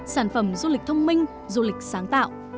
sản phẩm du lịch thông minh du lịch sáng tạo